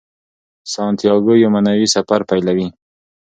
سانتیاګو یو معنوي سفر پیلوي.